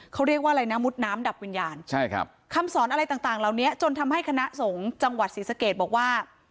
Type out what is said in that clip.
เขาเรียกว่าอะไรนะมุดน้ำดับวิญญาณใช่ครับคำสอนอะไรต่างเหล่านี้จนทำให้คณะสงฆ์จังหวัดศรีสะเกดบอกว่า